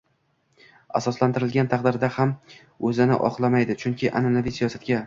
asoslantirilgan taqdirda ham o‘zini oqlamaydi. Chunki an’anaviy siyosatga